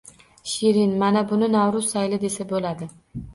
Shirin: mana buni Navro’z sayli desa bo’ladi.